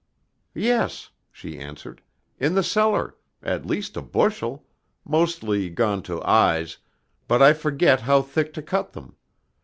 "Yes," she answered; "in the cellar, at least a bushel, mostly gone to eyes, but I forget how thick to cut them.